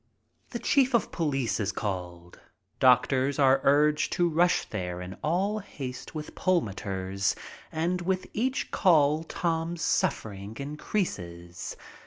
The chief of police is called, doctors are urged to rush there in all haste with pulmotors, and with each call Tom's suffering increases.